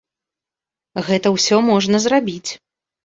Гэта ўсё можна зрабіць.